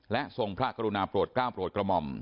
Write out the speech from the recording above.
และทรงพระกรุณาโปรดก้าวโปรดกระหม่อม